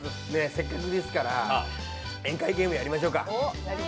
せっかくですから、宴会ゲームやりましょうか。